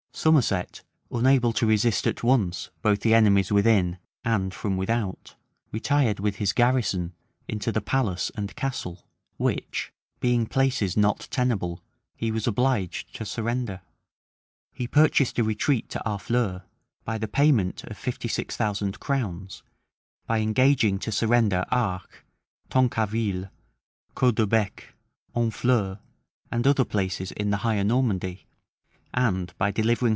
Somerset, unable to resist at once both the enemies within one from without, retired with his garrison into the palace and castle; which, being places not tenable he was obliged to surrender: he purchased a retreat to Harfleur by the payment of fifty six thousand crowns, by engaging to surrender Arques, Tancarville, Caudebec, Honfleur, and other places in the higher Normandy, and by delivering.